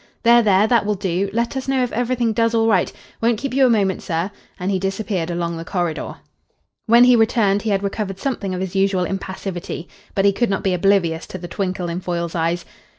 "There, there; that will do. Let us know if everything does all right. Won't keep you a moment, sir," and he disappeared along the corridor. When he returned he had recovered something of his usual impassivity. But he could not be oblivious to the twinkle in Foyle's eyes.